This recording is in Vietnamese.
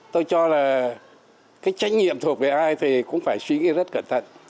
tôi cho là cái trách nhiệm thuộc về ai thì cũng phải suy nghĩ rất cẩn thận